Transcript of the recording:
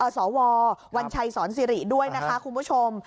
สววัญชัยสอนสิริด้วยนะคะคุณผู้ชม